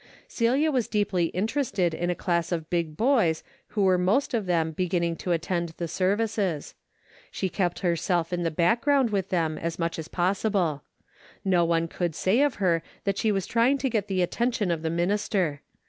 Celia was deeply interested in a class of big boys who were most of them be ginning to attend the services. She kept her self in the background with them as much as possible. Ho one could say of her that she was trying to get the attention of the minister.